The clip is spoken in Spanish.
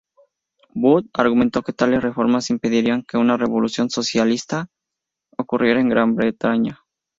Booth argumentó que tales reformas impedirían que una revolución socialista ocurriera en Gran Bretaña.